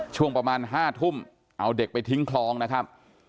ช่วงประมาณ๕ทุ่มเอาเด็กไปทิ้งคลองนะครับ